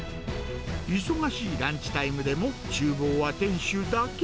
忙しいランチタイムでも、ちゅう房は店主だけ。